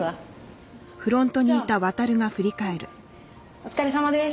お疲れさまです。